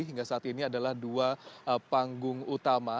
hingga saat ini adalah dua panggung utama